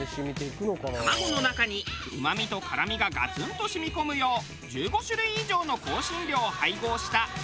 卵の中にうまみと辛みがガツンと染み込むよう１５種類以上の香辛料を配合したスパイスカレー。